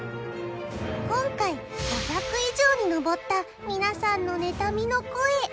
今回、５００以上に上った皆さんの妬みの声。